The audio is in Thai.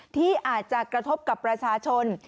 ที่อาจจะกระทบกับประชาชน